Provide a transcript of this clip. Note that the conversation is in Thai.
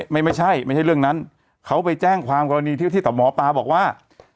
ไม่ใช่ไม่ใช่เรื่องนั้นเขาไปแจ้งความกรณีที่แต่หมอปลาบอกว่า